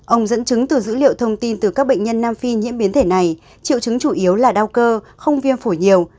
ông dẫn chứng từ dữ liệu thông tin từ các bệnh nhân nam phi nhiễm biến thể này triệu chứng chủ yếu là đau cơ không viêm phổi nhiều